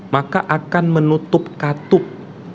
maka akan menutup katup